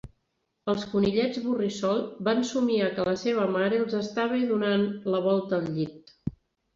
Els Conillets Borrissol van somiar que la seva mare els estava donant la volta al llit.